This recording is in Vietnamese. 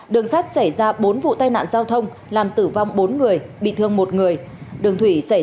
đường sắt xảy ra bốn vụ tai nạn giao thông làm tử vong bốn người bị thương một người đường thủy xảy ra